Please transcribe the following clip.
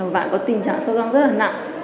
bạn có tình trạng sâu răng rất là nặng